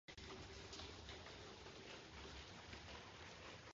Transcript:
The release is the same as a fastball.